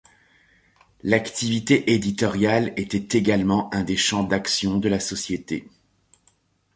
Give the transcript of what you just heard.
L’activité éditoriale était également un des champs d’action de la société.